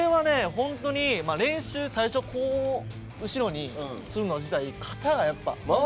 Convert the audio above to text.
本当に練習、最初後ろにするの自体、体が。